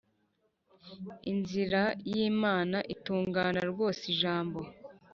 Inzira y Imana itungana rwose Ijambo